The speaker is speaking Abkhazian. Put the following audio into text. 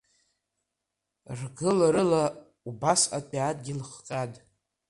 Ргыларыла убасҟатәи адгьыл хҟьан.